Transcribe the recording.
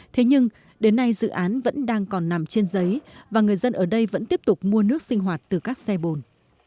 thế nhưng đến nay dự án vẫn đang còn nằm trên giấy và người dân ở đây vẫn tiếp tục mua nước sinh hoạt từ các xe bồn